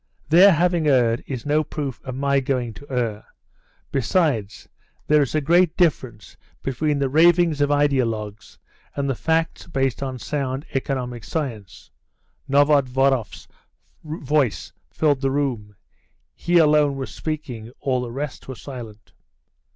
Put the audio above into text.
"Their having erred is no proof of my going to err; besides, there is a great difference between the ravings of idealogues and the facts based on sound, economic science." Novodvoroff's voice filled the room; he alone was speaking, all the rest were silent.